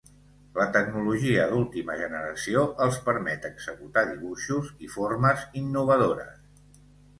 La tecnologia d’última generació els permet executar dibuixos i formes innovadores.